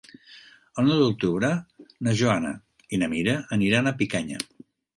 El nou d'octubre na Joana i na Mira aniran a Picanya.